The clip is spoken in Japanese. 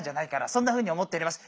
そんなふうに思っております。